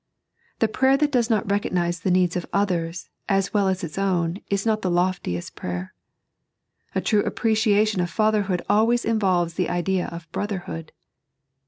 The prayer that does not recogniae the needs of others as well as its own is not the loftiest prayer. A true appreciation of Fatherhood always involves the idea of Brotherhood.